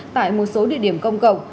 tại một số địa điểm công cộng